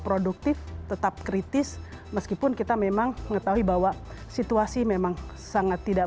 produktif tetap kritis meskipun kita memang mengetahui bahwa situasi memang sangat tidak